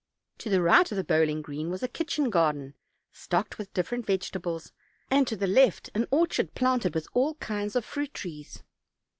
To the right of the bowling green was a kitchen garden, stocked with differ ent vegetables, and to the left an orchard planted with all kinds of fruit trees.